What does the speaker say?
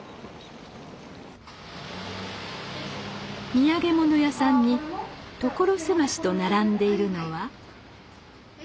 土産物屋さんに所狭しと並んでいるのは。